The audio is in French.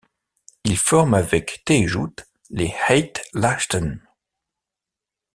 Il forme avec Tayjout les Ait Lahcen.